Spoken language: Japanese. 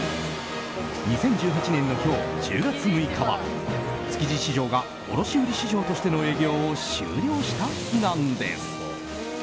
２０１８年の今日１０月６日は築地市場が卸売市場としての営業を終了した日なんです。